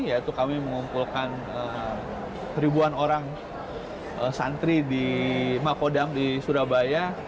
yaitu kami mengumpulkan ribuan orang santri di makodam di surabaya